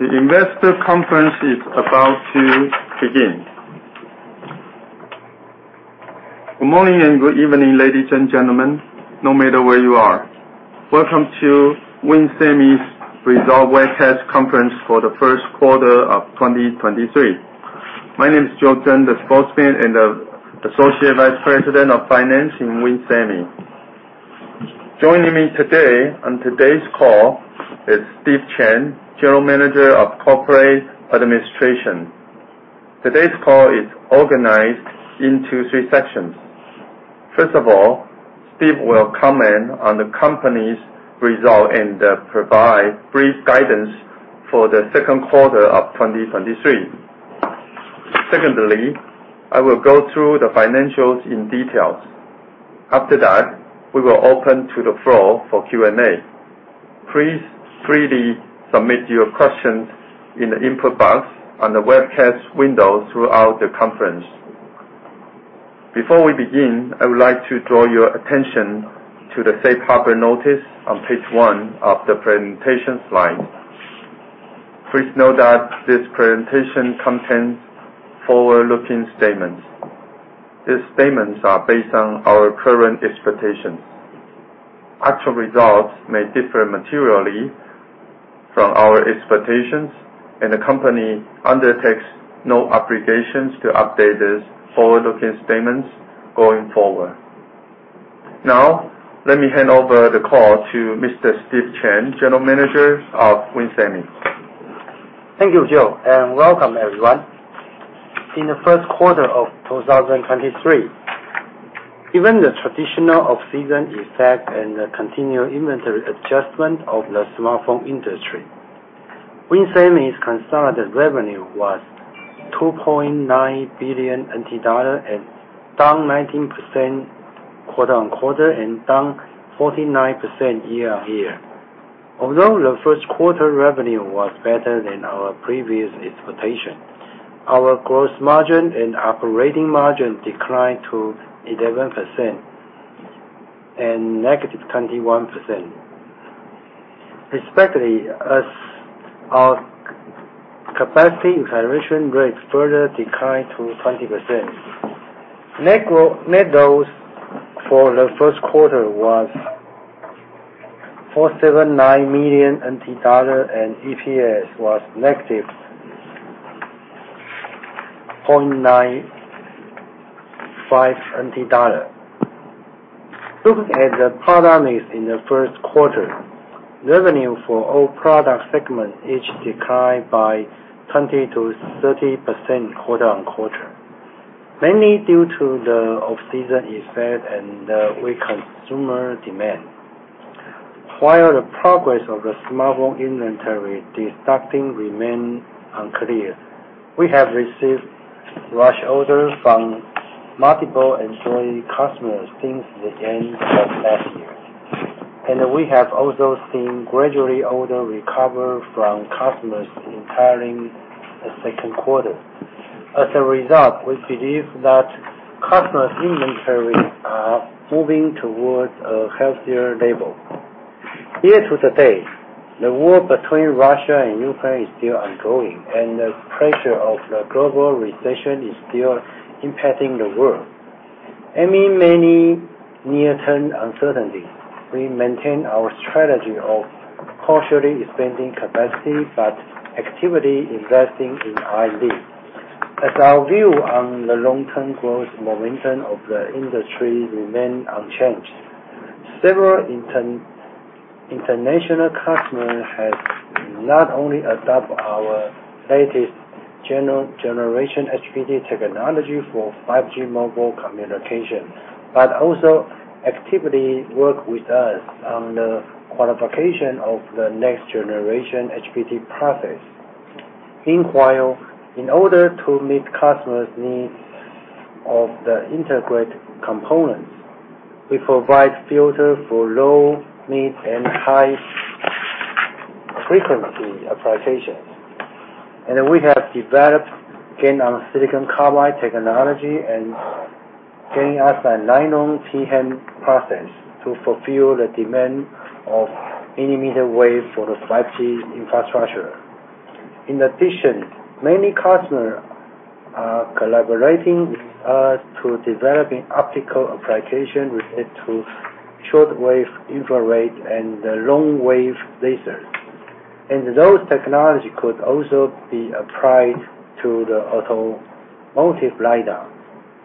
The investor conference is about to begin. Good morning and good evening, ladies and gentlemen, no matter where you are. Welcome to WIN Semi's Result Webcast Conference for the Q1 of 2023. My name is Joe Chen, the Spokesman and the Associate Vice President of Finance in WIN Semiconductors. Joining me today on today's call is Steve Chen, General Manager of Corporate Administration. Today's call is organized into three sections. First of all, Steve will comment on the company's result and provide brief guidance for the Q2 of 2023. Secondly, I will go through the financials in details. After that, we will open to the floor for Q&A. Please freely submit your questions in the input box on the webcast window throughout the conference. Before we begin, I would like to draw your attention to the safe harbor notice on page one of the presentation slide. Please note that this presentation contains forward-looking statements. These statements are based on our current expectations. Actual results may differ materially from our expectations, the company undertakes no obligations to update these forward-looking statements going forward. Let me hand over the call to Mr. Steve Chen, General Manager of WIN Semiconductors. Thank you, Joe. Welcome everyone. In the Q1 of 2023, even the traditional off-season effect and the continued inventory adjustment of the smartphone industry, WIN Semi's consolidated revenue was 2.9 billion NT dollars and down 19% quarter-on-quarter and down 49% year-on-year. Although the Q1 revenue was better than our previous expectation, our gross margin and operating margin declined to 11% and -21%. Respectively, as our capacity utilization rates further declined to 20%. Net loss for the Q1 was 479 million NT dollar and EPS was -0.95 NT dollar. Looking at the product mix in the Q1, revenue for all product segment each declined by 20%-30% quarter-on-quarter, mainly due to the off-season effect and weak consumer demand. While the progress of the smartphone inventory destocking remain unclear, we have received rush orders from multiple Android customers since the end of last year. We have also seen gradually order recover from customers entering the Q2. As a result, we believe that customers' inventories are moving towards a healthier level. Year to date, the war between Russia and Ukraine is still ongoing and the pressure of the global recession is still impacting the world. Amid many near-term uncertainties, we maintain our strategy of cautiously expanding capacity but actively investing in R&D, as our view on the long-term growth momentum of the industry remain unchanged. Several international customers have not only adopt our latest generation HBT technology for 5G mobile communication, but also actively work with us on the qualification of the next generation HBT process. Meanwhile, in order to meet customers' needs of the integrated components, we provide filters for low, mid, and high frequency applications. We have developed GaN-on-silicon carbide technology and GaN-on-silicon 90nm process to fulfill the demand of millimeter waves for the 5G infrastructure. In addition, many customers are collaborating with us to developing optical application related to short wave infrared and the long wavelength lasers. Those technology could also be applied to the automotive lidar.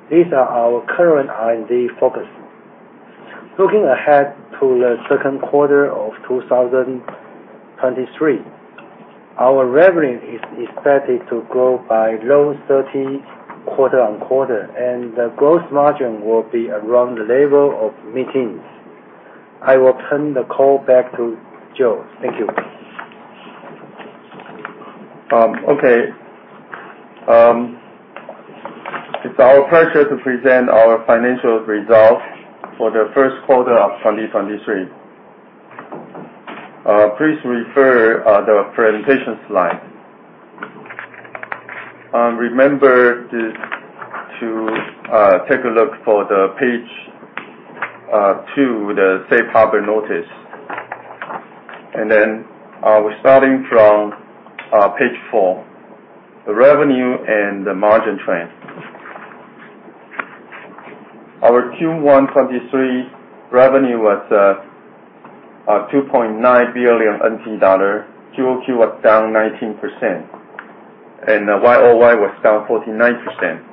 These are our current R&D focus. Looking ahead to the Q2 of 2023, our revenue is expected to grow by low 30% quarter-on-quarter, and the growth margin will be around the level of mid-teens%. I will turn the call back to Joe. Thank you. It's our pleasure to present our financial results for the Q1 of 2023. Please refer the presentation slide. Remember this to take a look for the page two, the safe harbor notice. We're starting from page four, the revenue and the margin trend. Our Q1 2023 revenue was 2.9 billion NT dollar. QOQ was down 19%, YOY was down 49%.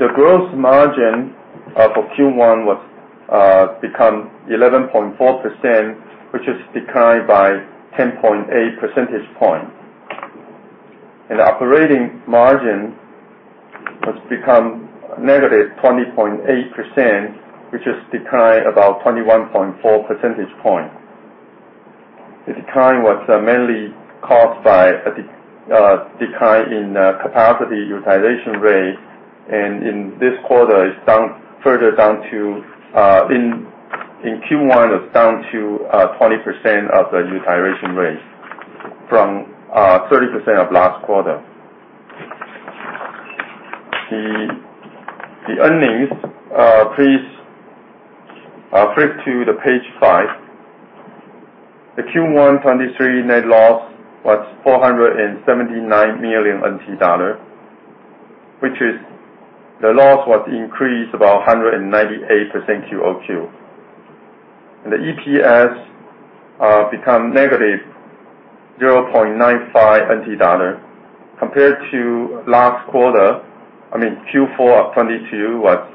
The gross margin for Q1 was become 11.4%, which is declined by 10.8 percentage point. Operating margin has become -20.8%, which is decline about 21.4 percentage point. The decline was mainly caused by. decline in capacity utilization rate, and in this quarter is down further down to, in Q1 it's down to 20% of the utilization rate from 30% of last quarter. The earnings, please flip to page five. The Q1 '23 net loss was 479 million NT dollar, which is the loss was increased about 198% QOQ. The EPS become -0.95 NT dollar. Compared to last quarter, I mean, Q4 of '22 was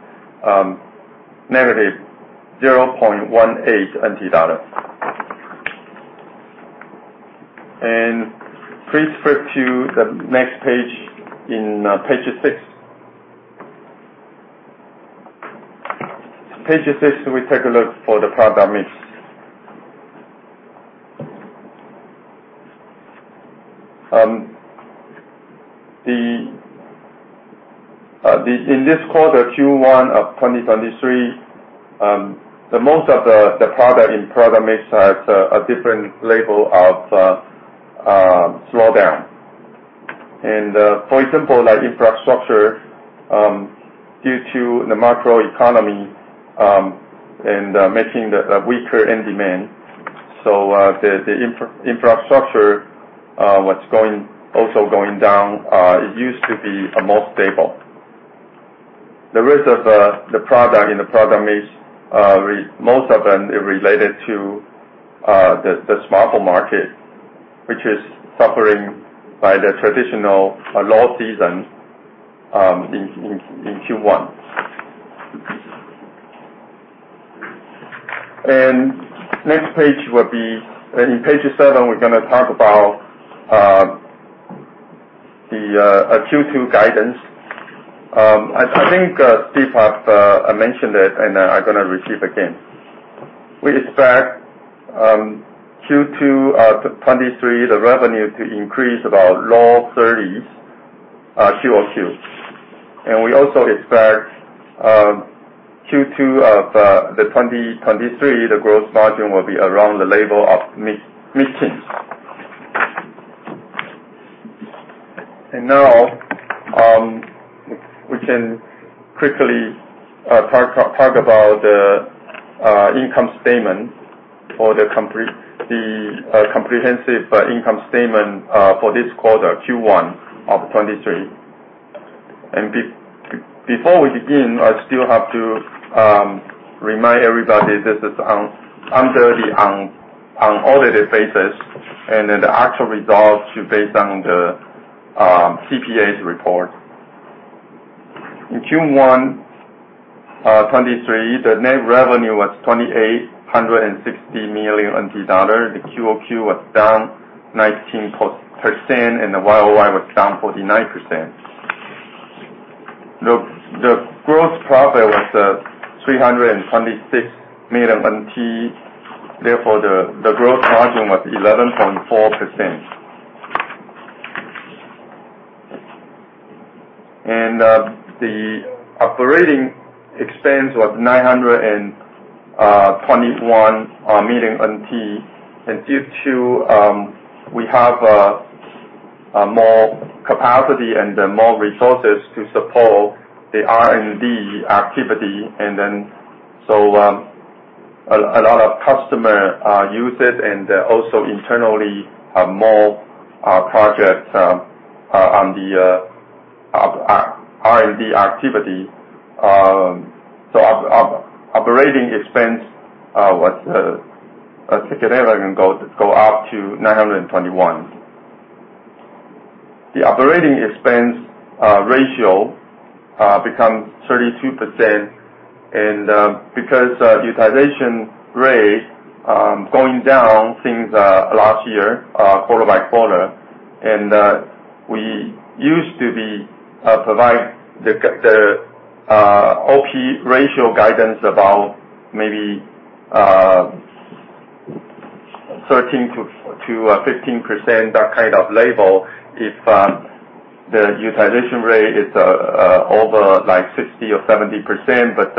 -0.18 NT dollar. Please flip to the next page in page six. Page six, we take a look for the product mix. In this quarter, Q1 of 2023, the most of the product in product mix has a different level of slowdown. For example, like infrastructure, due to the macro economy, and making the weaker in demand. The infrastructure, what's going, also going down, it used to be more stable. The rest of the product in the product mix, most of them are related to the smartphone market, which is suffering by the traditional low season, in Q1. Next page will be, in page seven, we're gonna talk about the Q2 guidance. I think Steve has mentioned it, and I'm gonna repeat again. We expect Q2 2023, the revenue to increase about low 30s, QOQ. We also expect Q2 of 2023, the growth margin will be around the level of mid-teens. Now, we can quickly talk about the income statement for the comprehensive income statement for this quarter, Q1 of 2023. Before we begin, I still have to remind everybody this is under the unaudited basis and then the actual results should base on the CPA's report. In Q1 2023, the net revenue was 2,860 million dollars. The QOQ was down 19%, and the YOY was down 49%. The gross profit was 326 million NT. Therefore, the growth margin was 11.4%. The operating expense was 921 million NT. Due to we have more capacity and then more resources to support the R&D activity. A lot of customer use it, and also internally more projects on the R&D activity. Operating expense was taken go up to 921. The operating expense ratio becomes 32% and because utilization rate going down since last year quarter-by-quarter. We used to be provide the OP ratio guidance about maybe 13%-15%, that kind of level, if the utilization rate is over like 60% or 70%, but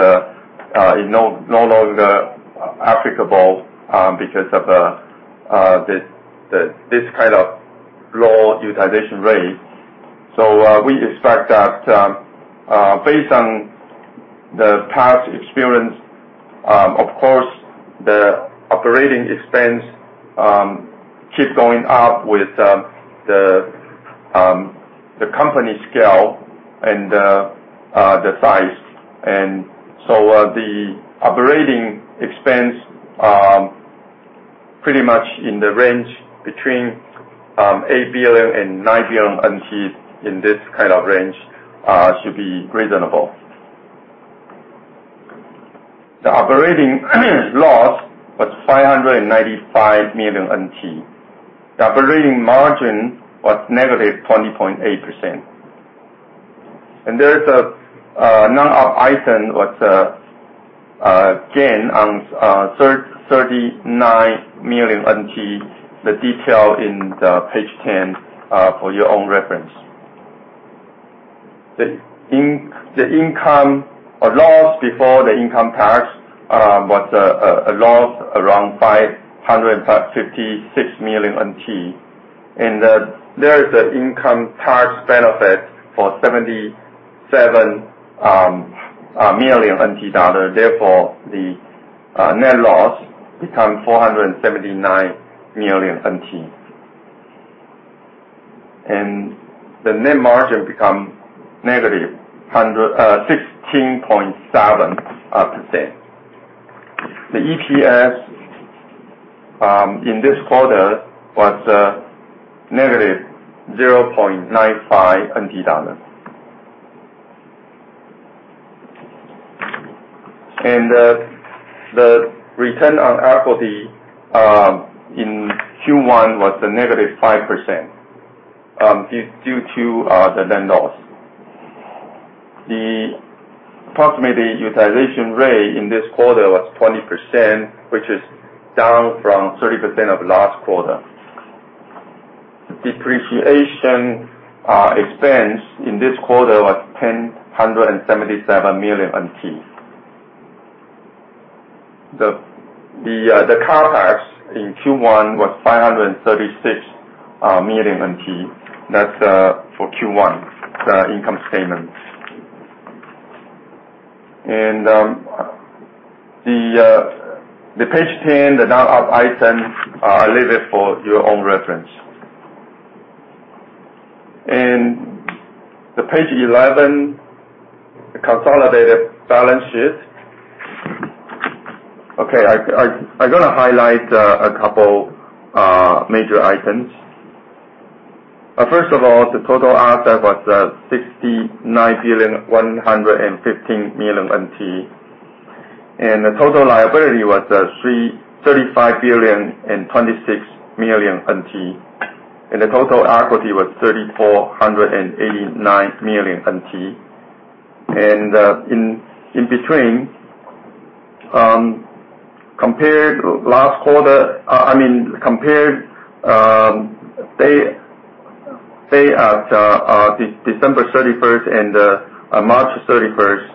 it no longer applicable because of this kind of low utilization rate. We expect that, based on the past experience, of course, the operating expense keep going up with the company scale and the size. The operating expense pretty much in the range between 8 billion and 9 billion in this kind of range should be reasonable. The operating loss was 595 million NT. The operating margin was -20.8%. There is a non-op item was gain on 39 million NT. The detail in the page 10 for your own reference. The income or loss before the income tax was a loss around 556 million NT. There is an income tax benefit for 77 million NT dollars. Therefore, the net loss become 479 million NT. The net margin become -16.7%. The EPS in this quarter was -0.95 NT dollars. The return on equity in Q1 was a -5% due to the net loss. The approximate utilization rate in this quarter was 20%, which is down from 30% of last quarter. Depreciation expense in this quarter was 1,077 million NT. The car tax in Q1 was 536 million NT. That's for Q1, the income statement. The page 10, the non-op item, I leave it for your own reference. The page 11, the consolidated balance sheet. Okay. I'm gonna highlight a couple major items. First of all, the total asset was 69,115 million NT. The total liability was 35,026 million NT. The total equity was 34,089 million NT. In between, compared last quarter, I mean, compared, they at December 31st and March 31st,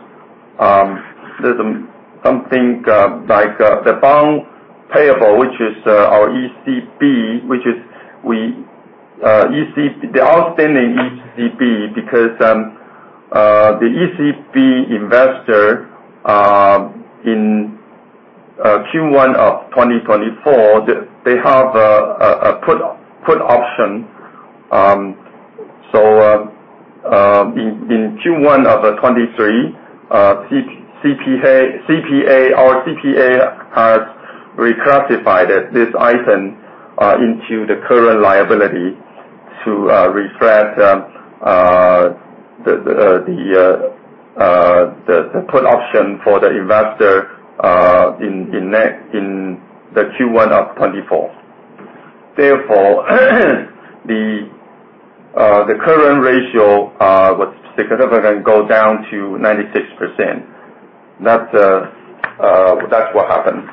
there's something like the bond payable, which is our ECB, which is we. The outstanding ECB because the ECB investor in Q1 of 2024, they have a put option. In Q1 2023, CPA has reclassified this item into the current liability to reflect the put option for the investor in Q1 2024. The current ratio was significant, go down to 96%. That's what happened.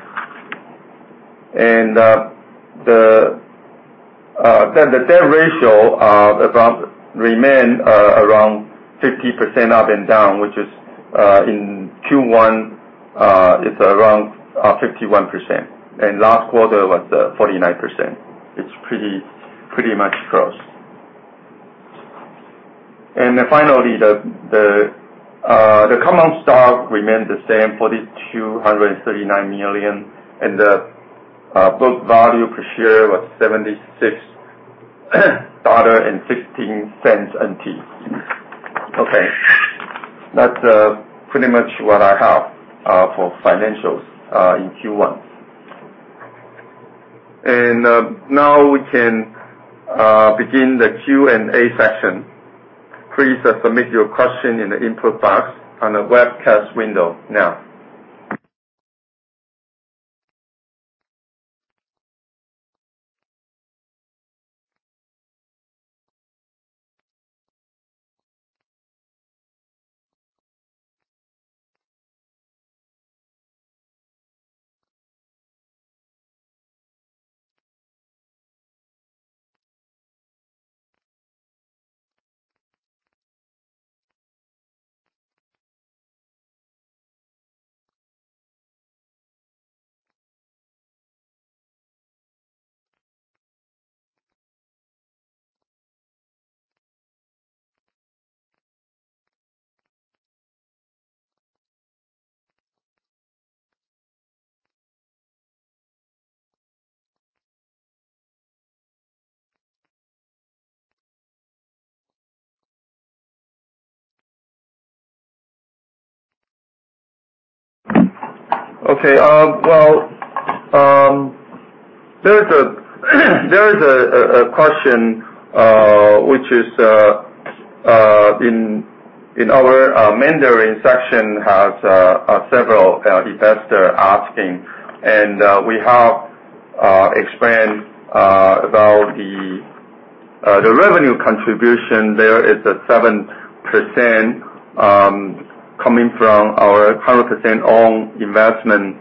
The debt ratio about remain around 50% up and down, which is in Q1, it's around 51%. Last quarter was 49%. It's pretty much close. Finally, the common stock remained the same, 4,239 million. The book value per share was TWD 76.16. That's pretty much what I have for financials in Q1. Now we can begin the Q&A session. Please submit your question in the input box on the webcast window now. Okay, well, there is a question which is in our Mandarin section has several investor asking. We have explained about the revenue contribution there is at 7% coming from our 100% owned investment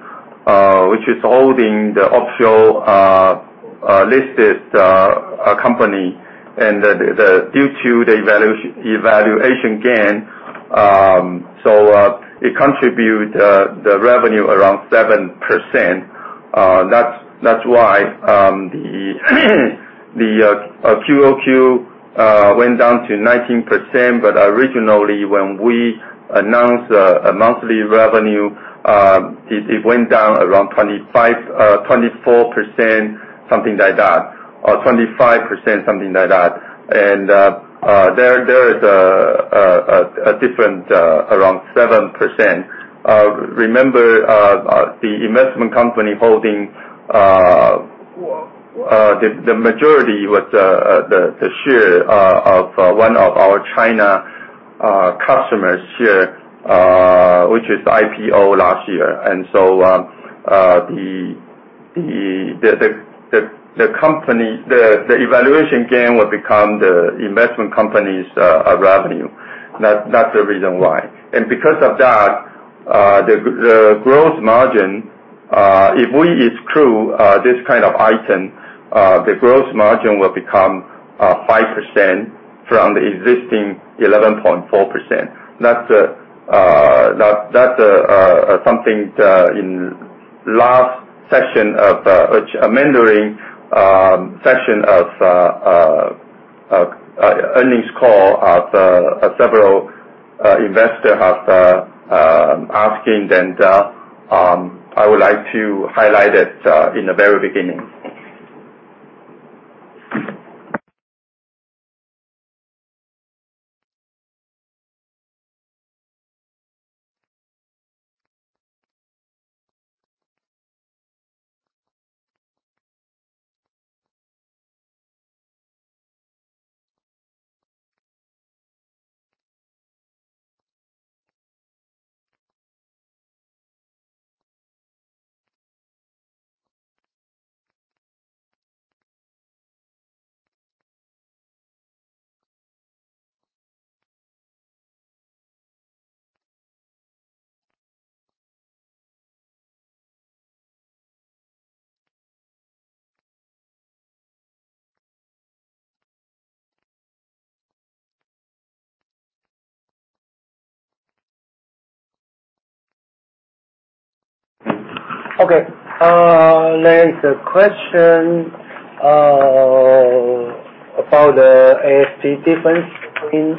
which is holding the offshore listed company. The due to the evaluation gain, so it contribute the revenue around 7%. That's why, the QOQ went down to 19%, but originally, when we announced a monthly revenue, it went down around 25%, 24%, something like that, or 25%, something like that. There is a different around 7%. Remember, the investment company holding the majority with the share of one of our China customers share, which is IPO last year. The evaluation gain will become the investment company's revenue. That's the reason why. Because of that, the gross margin, if we exclude this kind of item, the gross margin will become 5% from the existing 11.4%. That's something in last session of Mandarin session of earnings call of several investor have asking, and I would like to highlight it in the very beginning. Okay. There is a question about the ASP difference in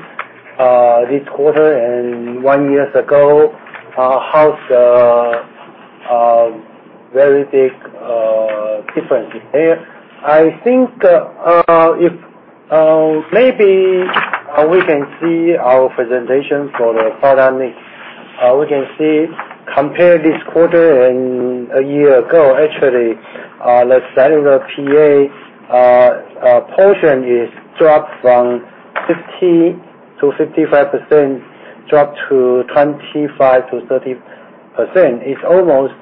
this quarter and 1 years ago. How's very big difference here? I think, if maybe, we can see our presentation for the product mix. We can see compare this quarter and a year ago, actually, the cellular PA portion is dropped from 50%-55%, dropped to 25%-30%. It's almost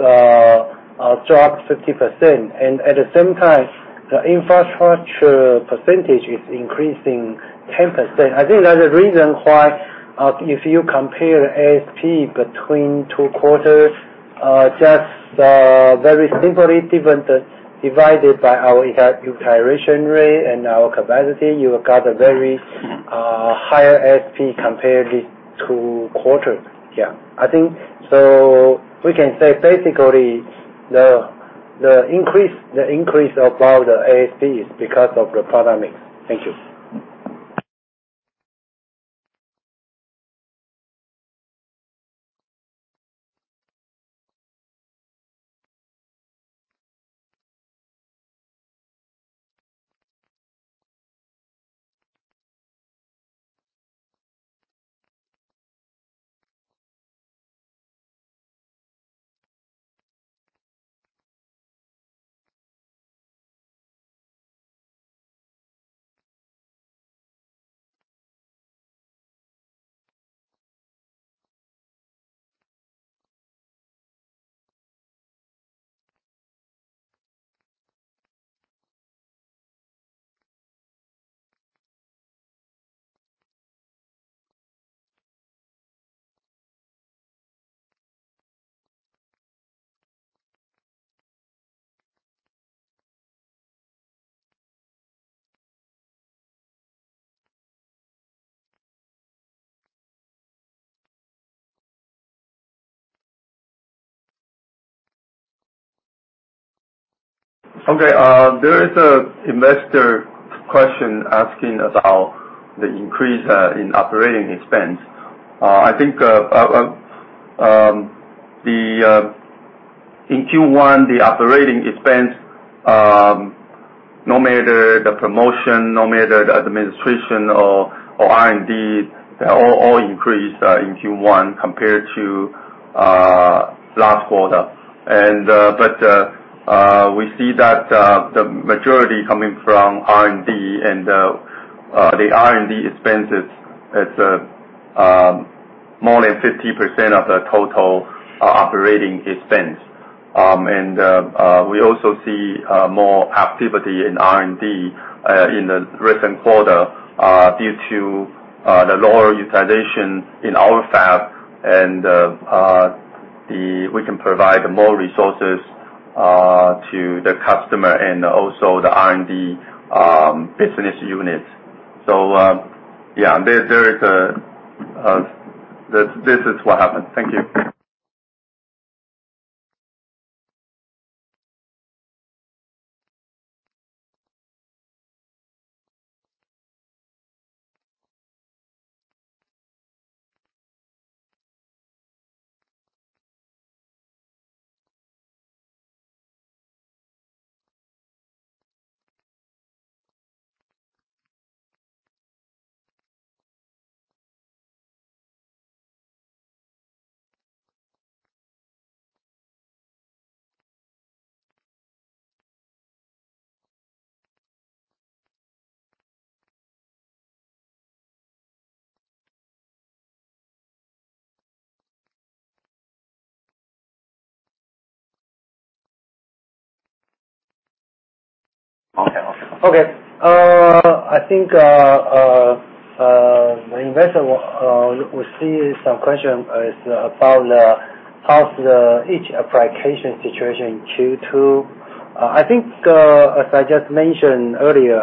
dropped 50%. At the same time, the infrastructure percentage is increasing 10%. I think that's the reason why, if you compare ASP between two quarters, just very simply divided by our utilization rate and our capacity, you will got a very higher ASP compared these two quarters. Yeah. I think we can say basically the increase about the ASP is because of the product mix. Thank you. Okay, there is a investor question asking about the increase in OpEx. I think in Q1, the OpEx, no matter the promotion, no matter the administration or R&D, they all increased in Q1 compared to last quarter. We see that the majority coming from R&D, the R&D expenses is more than 50% of the total OpEx. We also see more activity in R&D in the recent quarter due to the lower utilization in our fab and We can provide more resources to the customer and also the R&D business units. There is a this is what happened. Thank you. Okay. Okay. I think the investor, we see some question is about how's each application situation in Q2. I think as I just mentioned earlier,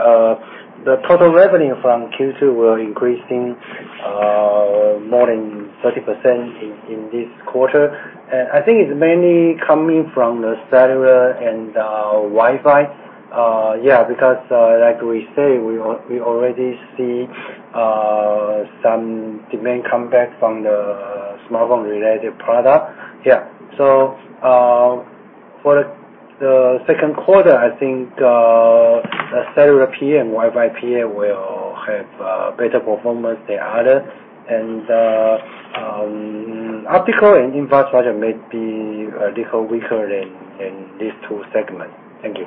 the total revenue from Q2 were increasing more than 30% in this quarter. I think it's mainly coming from the cellular and Wi-Fi. because like we say, we already see some demand come back from the smartphone-related product. For the Q2, I think the cellular PA and Wi-Fi PA will have better performance than other. Optical and infrastructure may be a little weaker than these two segments. Thank you.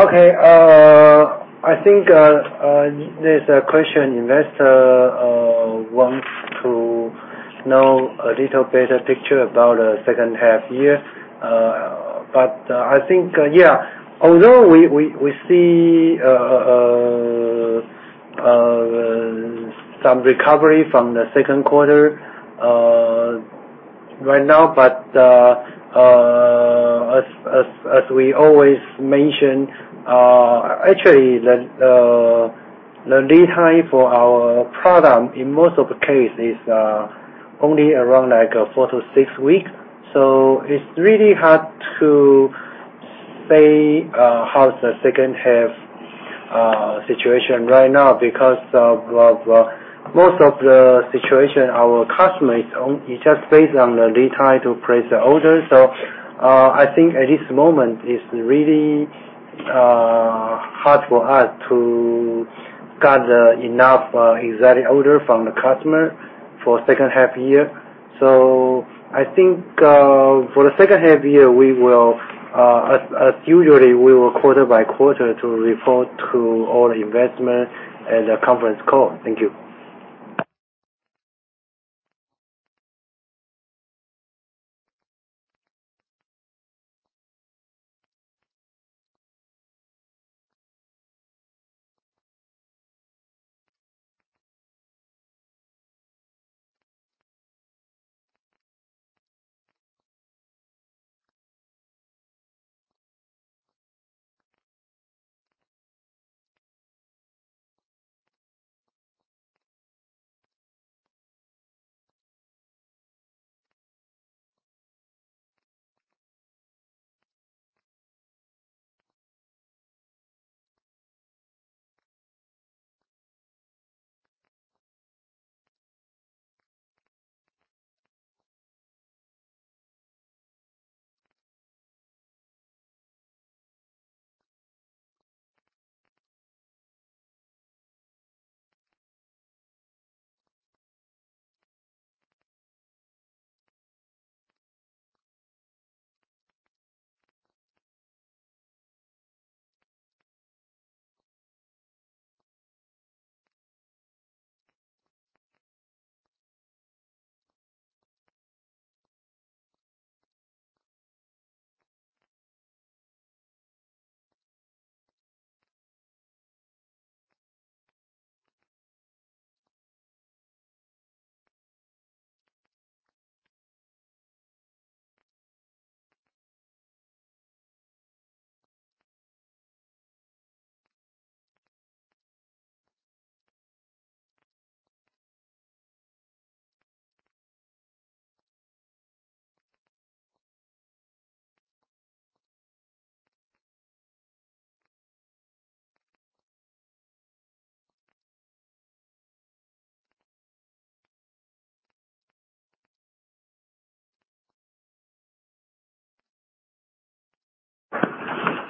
Okay. I think there's a question investor wants to know a little better picture about H2 year. I think, yeah, although we see some recovery from the Q2 right now, but as we always mention, actually, the lead time for our product in most of the case is only around like four to six weeks. It's really hard to say how the H2 situation right now because of most of the situation our customers, it's just based on the lead time to place the order. I think at this moment, it's really hard for us to gather enough exact order from the customer for H2 year. I think for the H2 year, we will as usually, we will quarter by quarter to report to all investment at the conference call. Thank you.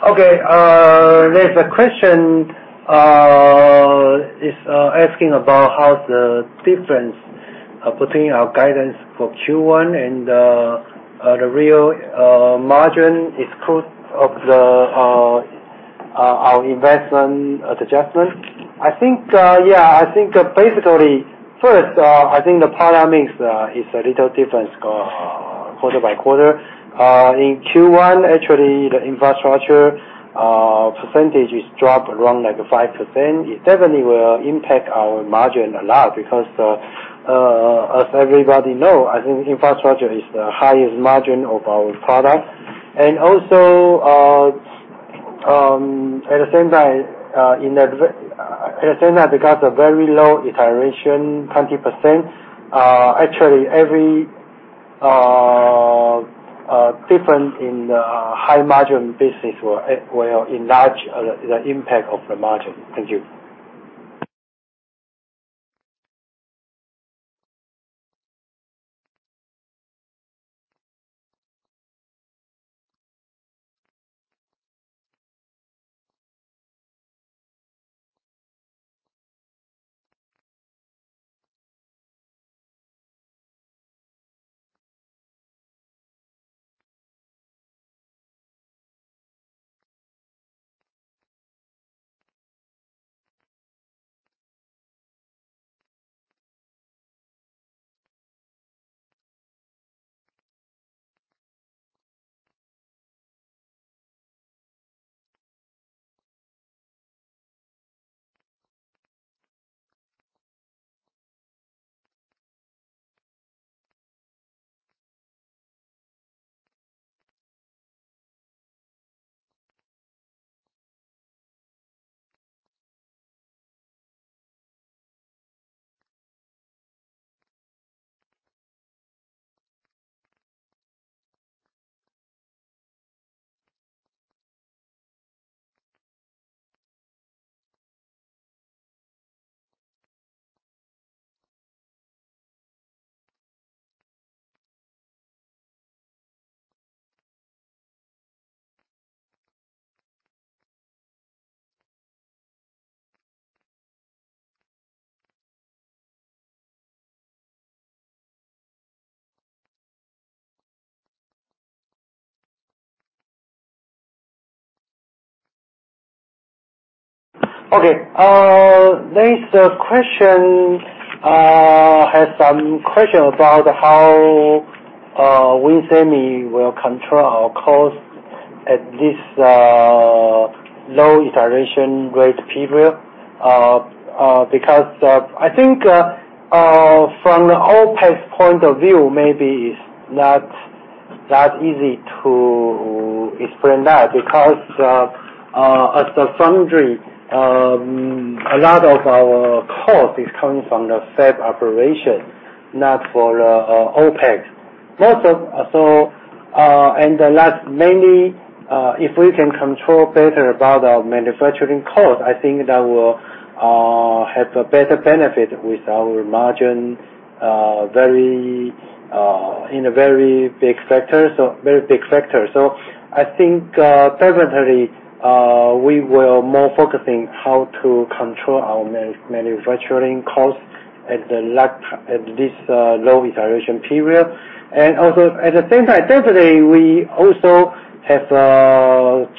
Okay, there's a question, is asking about how the difference between our guidance for Q1 and the real margin is cost of the our investment adjustment. I think. I think basically, first, I think the problem is a little different quarter by quarter. In Q1, actually, the infrastructure percentage is dropped around like 5%. It definitely will impact our margin a lot because the, as everybody know, I think infrastructure is the highest margin of our product. At the same time, we got a very low utilization, 20%. Actually, every different in the high margin business will enlarge the impact of the margin. Thank you. Okay, there is a question, has some question about how WIN Semi will control our cost at this low utilization rate period. I think, from the OpEx point of view, maybe it's not that easy to explain that because, as a foundry, a lot of our cost is coming from the fab operation, not for OpEx. The last mainly, if we can control better about our manufacturing cost, I think that will have a better benefit with our margin, so very big factor. I think, definitely, we will more focusing how to control our manufacturing costs at this low utilization period. Also, at the same time, definitely we also have,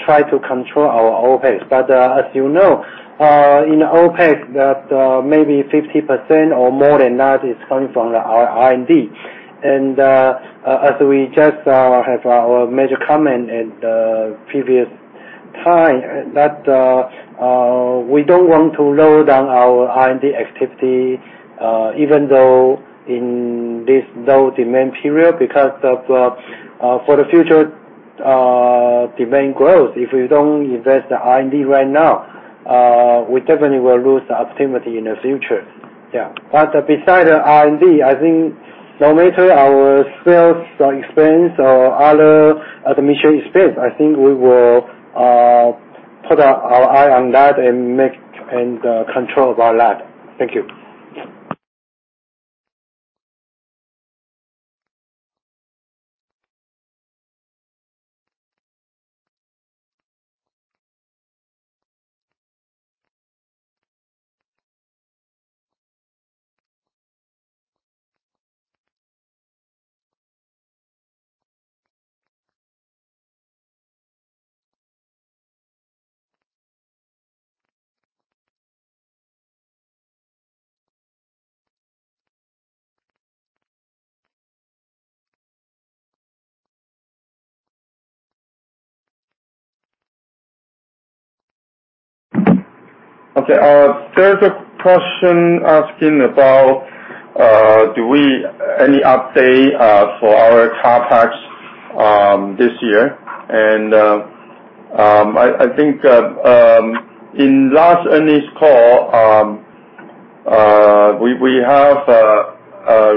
try to control our OpEx. As you know, in OpEx that, maybe 50% or more than that is coming from our R&D. As we just have our major comment at the previous time, that, we don't want to low down our R&D activity, even though in this low demand period, because of the, for the future, demand growth. If we don't invest the R&D right now, we definitely will lose the opportunity in the future. Yeah. Beside the R&D, I think no matter our sales expense or other administrative expense, I think we will, put our eye on that and make and, control that. Thank you. Okay. There's a question asking about do we any update for our CapEx this year? I think in last earnings call, we have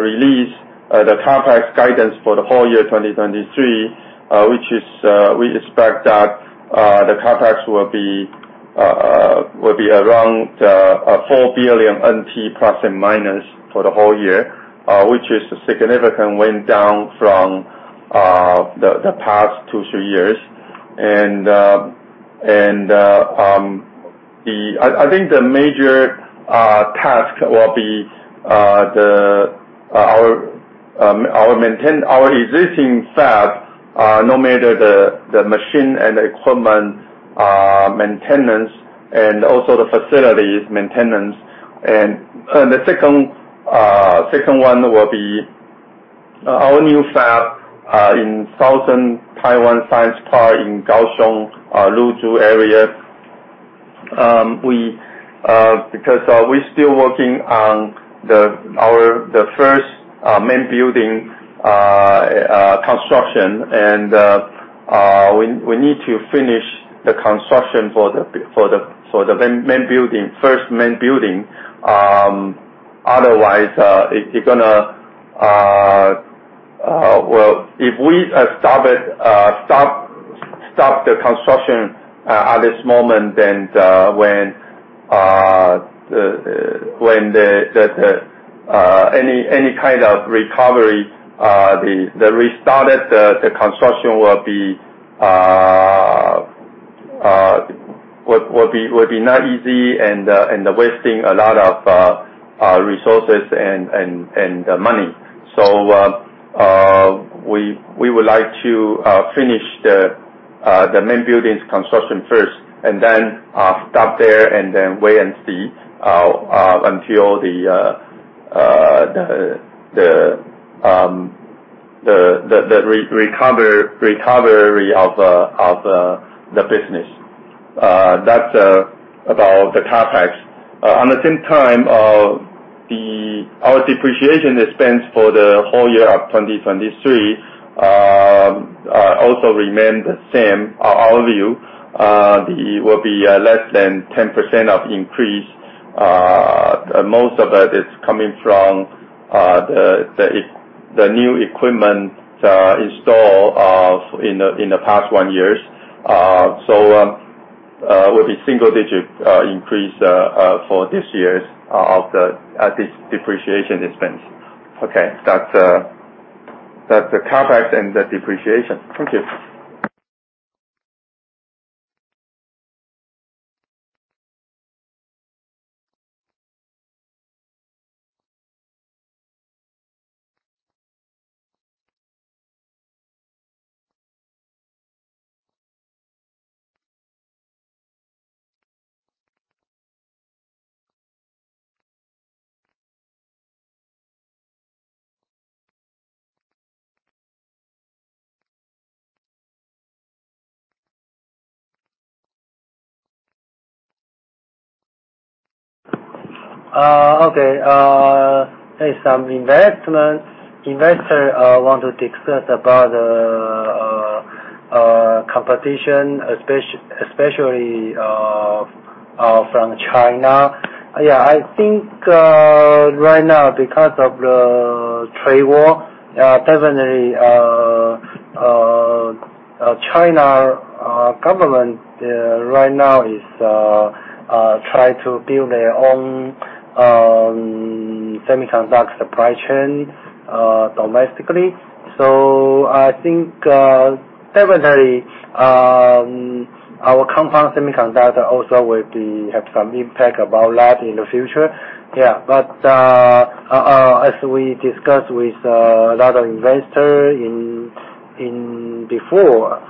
released the CapEx guidance for the whole year 2023, which is, we expect that the CapEx will be around 4 billion NT plus and minus for the whole year, which is a significant went down from the past 2 years-3 years. I think the major task will be our existing fab, no matter the machine and equipment maintenance and also the facilities maintenance. The second one will be our new fab in Southern Taiwan Science Park in Kaohsiung, Luzhu area. Because we're still working on the first main building construction, and we need to finish the construction for the main building, first main building. Otherwise, it gonna... Well, if we stop it, stop the construction at this moment, then when the any kind of recovery, the restarted the construction will be not easy and wasting a lot of resources and money. inish the main building's construction first and then stop there and then wait and see until the recovery of the business. That is about the CapEx. At the same time, our depreciation expense for the whole year of 2023 also remain the same, our view. It will be less than 10% of increase. Most of that is coming from the new equipment install in the past one years. So, will be single digit increase for this year's of this depreciation expense. That is the CapEx and the depreciation. Thank you. Okay There's some investment. Investor want to discuss about competition, especially from China. I think right now because of the trade war, definitely China government right now is try to build their own semiconductor supply chain domestically. I think definitely our compound semiconductor also will be have some impact about that in the future. As we discussed with a lot of investor in before.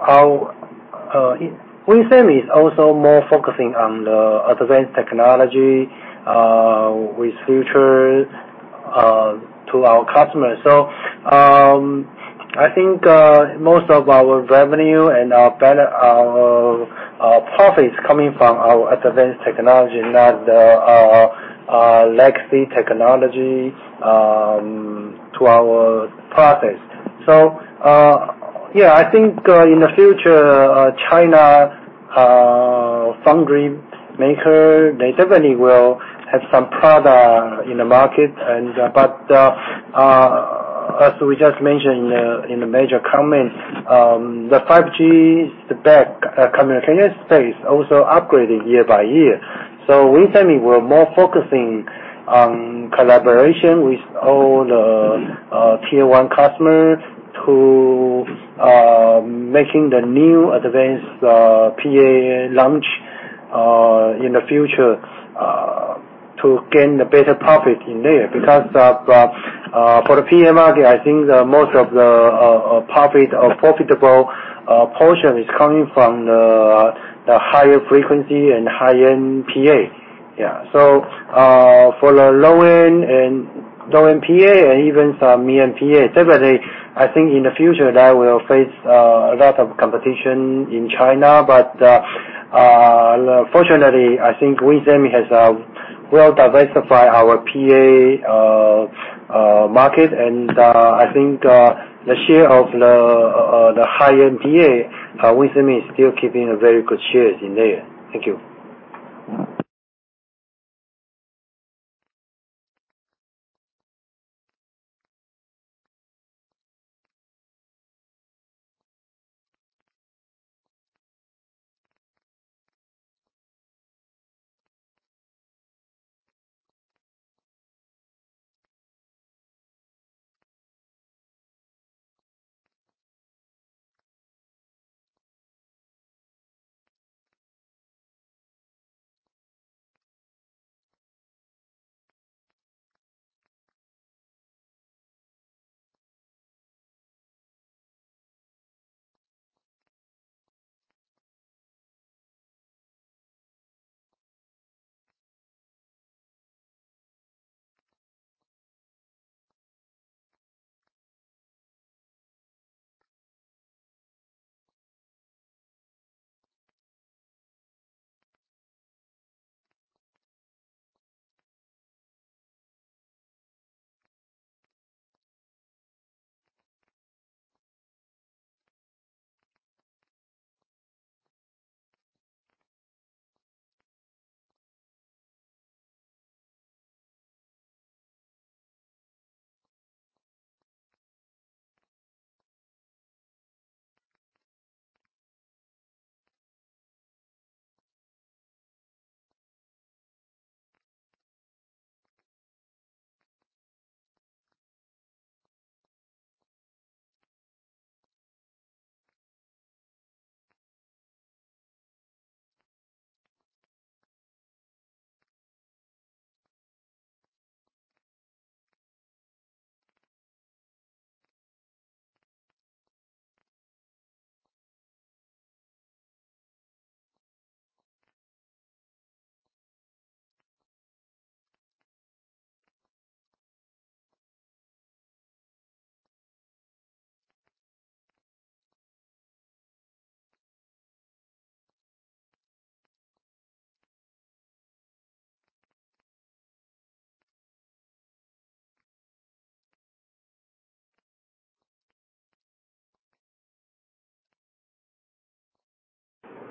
Our WIN Semiconductors is also more focusing on the advanced technology with future to our customers. I think most of our revenue and our profits coming from our advanced technology, not our legacy technology to our process. Yeah, I think in the future, China foundry maker, they definitely will have some product in the market and, but as we just mentioned in the major comments, the 5G is the back communication space also upgraded year by year. WIN Semiconductors, we're more focusing on collaboration with all the tier one customers to making the new advanced PA launch in the future to gain the better profit in there. For the PA market, I think the most of the profit or profitable portion is coming from the higher frequency and high-end PA. Yeah. For the low-end and low-end PA and even some medium PA, definitely, I think in the future that will face a lot of competition in China. Fortunately, I think WIN Semiconductors has well diversified our PA market. I think the share of the high-end PA, WIN Semiconductors is still keeping a very good shares in there. Thank you.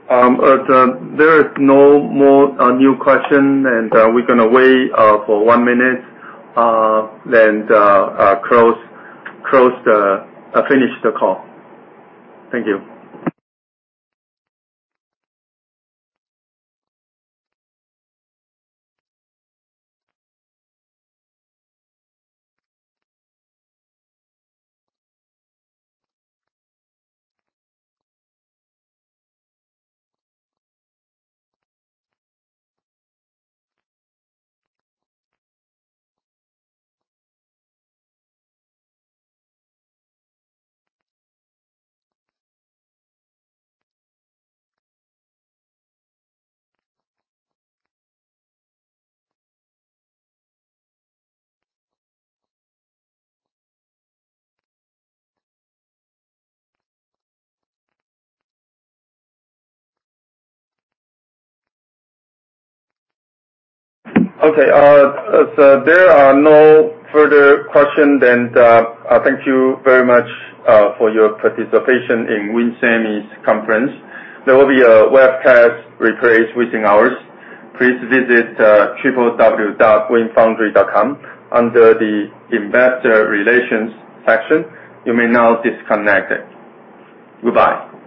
There is no more new question. We're gonna wait for one minute, then finish the call. Thank you. Okay. As there are no further question, then thank you very much for your participation in WIN Semi's conference. There will be a webcast replay within hours. Please visit www.winfoundry.com under the Investor Relations section. You may now disconnect. Goodbye.